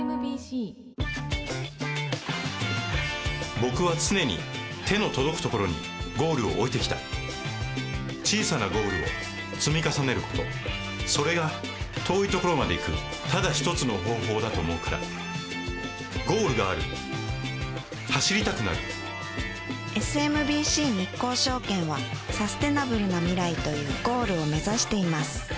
僕は常に手の届くところにゴールを置いてきた小さなゴールを積み重ねることそれが遠いところまで行くただ一つの方法だと思うからゴールがある走りたくなるＳＭＢＣ日興証券はサステナブルな未来というゴールを目指しています